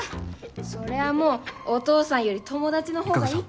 それはもうお父さんより友達のほうが。